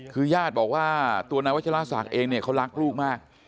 คือญาติบอกว่าตัวนายวัชราศักดิ์เองเนี่ยเขารักลูกมาก